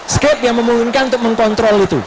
skate yang memungkinkan untuk mengkontrol itu